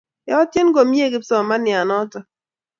Kotyen komnye kipsomaniat notok